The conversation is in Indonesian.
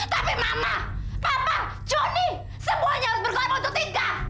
tapi mama papa joni semuanya harus berkorban untuk tika